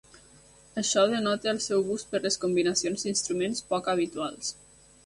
Això denota el seu gust per les combinacions d'instruments poc habituals.